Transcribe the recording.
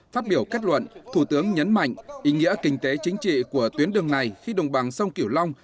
phát biểu kết luận thủ tướng nhấn mạnh ý nghĩa kinh tế chính trị của tuyến đường này khi đồng bằng sông kiểu long